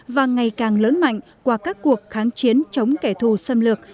và ngày càng lớn mạnh qua các cuộc kháng chiến chống kẻ thù xâm lược